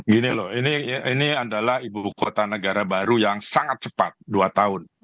gini loh ini adalah ibu kota negara baru yang sangat cepat dua tahun